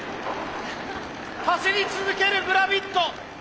走り続けるグラビット。